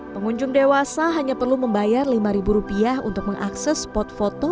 pengunjung dewasa hanya perlu membayar lima rupiah untuk mengakses spot foto